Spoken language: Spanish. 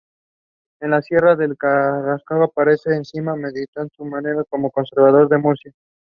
En la Sierra de Carrascoy aparece el encinar mediterráneo húmedo mejor conservado de Murcia.